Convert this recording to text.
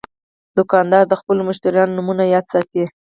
دوکاندار د خپلو مشتریانو نومونه یاد ساتي.